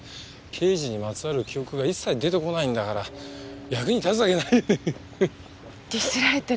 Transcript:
刑事にまつわる記憶が一切出てこないんだから役に立つわけないよね。